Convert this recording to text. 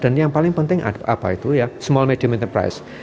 dan yang paling penting apa itu ya small medium enterprise